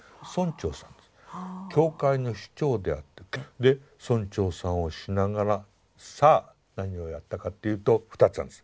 教会の司教であってで村長さんをしながらさあ何をやったかっていうと２つあるんです。